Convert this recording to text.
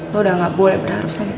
lo udah gak boleh berharap sama kakak